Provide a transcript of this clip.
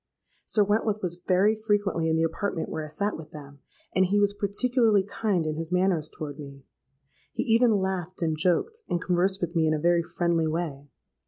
Sir Wentworth was very frequently in the apartment where I sate with them; and he was particularly kind in his manners toward me. He even laughed and joked, and conversed with me in a very friendly way.